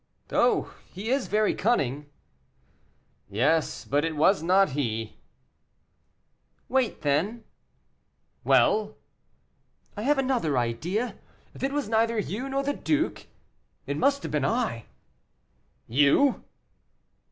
"Oh! he is very cunning." "Yes, but it was not he." "Wait, then." "Well!" "I have another idea; if it was neither you nor the duke, it must have been I." "You?"